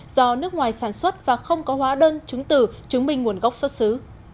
do nước ngoài sản xuất và không có hóa đơn chứng tử chứng minh nguồn gốc xuất xứ